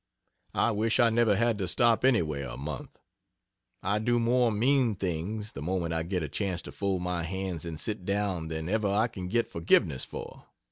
I wish I never had to stop anywhere a month. I do more mean things, the moment I get a chance to fold my hands and sit down than ever I can get forgiveness for.